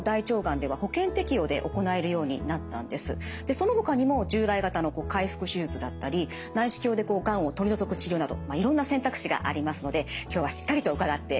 そのほかにも従来型の開腹手術だったり内視鏡でがんを取り除く治療などいろんな選択肢がありますので今日はしっかりと伺っていきたいですね。